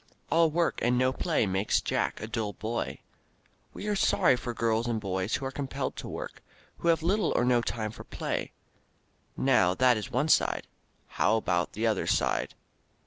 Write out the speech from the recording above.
"All work and no play makes Jack a dull boy." We are sorry for girls and boys who are compelled to work, who have little or no time for play. Now that is one side. How about the other side?